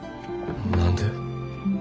何で。